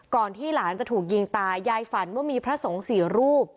ที่หลานจะถูกยิงตายยายฝันว่ามีพระสงฆ์สี่รูป